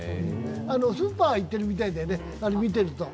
スーパー行ってるみたいだよね、見てると。